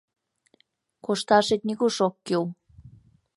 — Кошташет нигуш ок кӱл...